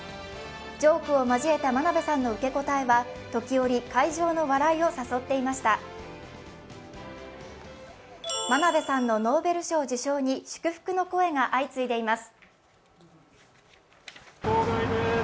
ジョークを交えた真鍋さんの受け答えは時折、会場の笑いを誘っていました真鍋さんのノーベル賞受賞に祝福の声が相次いでいます。